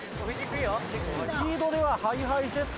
スピードではＨｉＨｉＪｅｔｓ